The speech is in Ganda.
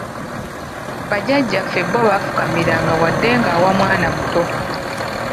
Bajjajjaffe bo baafukamiranga wadde ng'awa mwana muto.